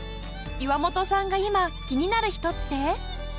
岩本さんが今気になる人って？